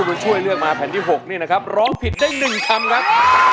ตัวช่วยเลือกมาแผ่นที่๖นี่นะครับร้องผิดได้๑คำครับ